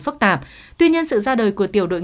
phức tạp tuy nhiên sự ra đời của tiểu đội